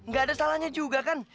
gak ada salahnya juga kan